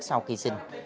sau khi sinh